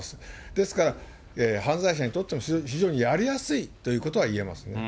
ですから、犯罪者にとっても非常にやりやすいということがいえますね。